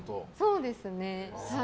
そうですね。